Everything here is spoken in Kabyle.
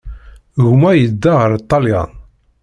Gma yedda ɣer Ṭṭalyan.